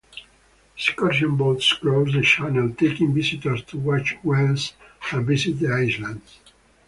Excursion boats cross the channel, taking visitors to watch whales and visit the islands.